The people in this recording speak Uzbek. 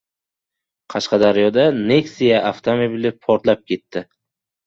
Qashqadaryoda "Nexia" avtomobili portlab ketdi